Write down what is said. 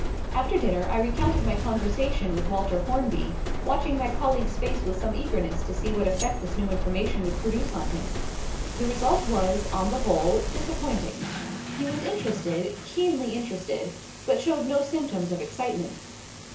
After dinner I recounted my conversation with Walter Hornby, watching my colleague's face with some eagerness to see what effect this new information would produce on him. The result was, on the whole, disappointing. He was interested, keenly interested, but showed no symptoms of excitement.